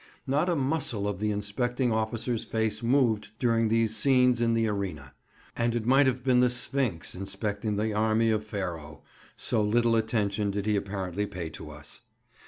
Not a muscle of the inspecting officer's face moved during these scenes in the arena; and it might have been the Sphinx inspecting the army of Pharaoh, so little attention did he apparently pay to us.